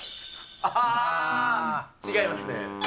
ああ、違いますね。